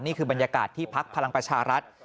นี่คือบรรยากาศที่พักพลังประชารัฐ